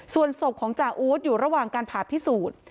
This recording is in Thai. ส่วนศพของจาอู๊ดอยู่ระหว่างการผ่าพิสูจน์